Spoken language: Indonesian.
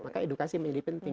maka edukasi menjadi penting